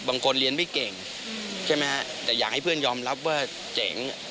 บางคนเรียนไม่เก่งใช่ไหมฮะแต่อยากให้เพื่อนยอมรับว่าเจ๋ง